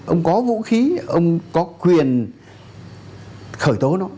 ông có vũ khí ông có quyền khởi tố nó